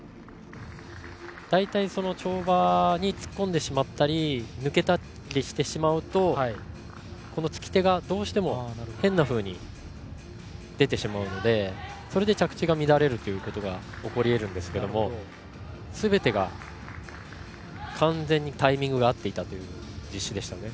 大体跳馬に突っ込んでしまったり抜けたりしてしまうとつき手が、どうしても変なふうに出てしまうのでそれで着地が乱れることが起こり得るんですけどもすべてが完全にタイミングが合っていたという実施でしたね。